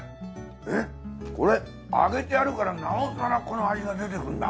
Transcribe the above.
えっこれ揚げてあるからなおさらこの味が出てくんだ。